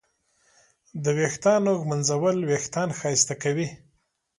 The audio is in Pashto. د ویښتانو ږمنځول وېښتان ښایسته کوي.